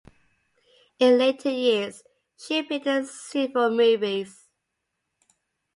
In later years, she appeared in several movies.